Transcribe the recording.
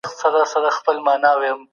په بی بی سي کې متخصصینو مشورې ورکړې.